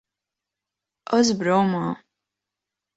És broma!